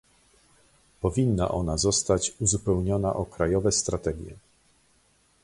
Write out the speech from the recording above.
Powinna ona zostać uzupełniona o krajowe strategie